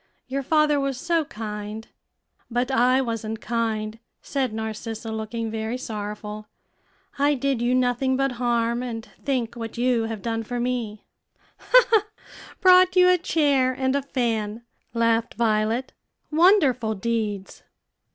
your father was so kind." "But I wasn't kind," said Narcissa, looking very sorrowful; "I did you nothing but harm; and think what you have done for me." "Brought you a chair and a fan," laughed Violet; "wonderful deeds!"